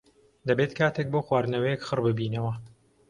دەبێت کاتێک بۆ خواردنەوەیەک خڕببینەوە.